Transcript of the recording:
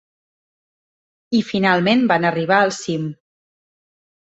I finalment van arribar al cim.